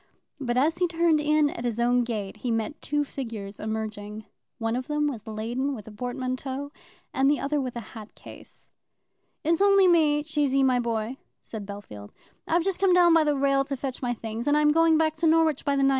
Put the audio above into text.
But as he turned in at his own gate he met two figures emerging; one of them was laden with a portmanteau, and the other with a hat case. "It's only me, Cheesy, my boy," said Bellfield. "I've just come down by the rail to fetch my things, and I'm going back to Norwich by the 9.20.